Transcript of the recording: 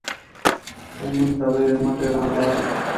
سمون ته به يې مټې رانغاړم.